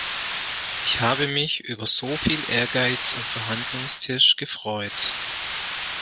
Ich habe mich über soviel Ehrgeiz am Verhandlungstisch gefreut.